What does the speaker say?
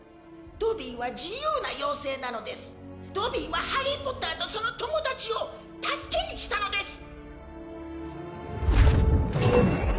ドビーは自由な妖精なのですドビーはハリー・ポッターとその友達を助けに来たのです！